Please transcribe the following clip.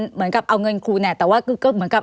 เหมือนกับเอาเงินครูเนี่ยแต่ว่าก็เหมือนกับ